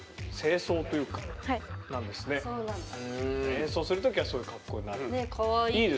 演奏する時はそういう格好になる。ねかわいい。